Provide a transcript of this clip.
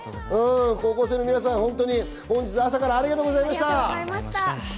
高校生の皆さん、本日朝からありがとうございました。